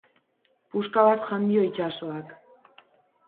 Puska bat jan dio itsasoak.